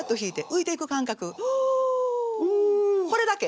これだけ！